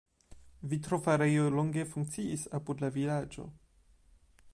Vitrofarejo longe funkciis apud la vilaĝo.